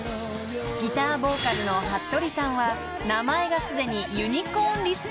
［ギターボーカルのはっとりさんは名前がすでに］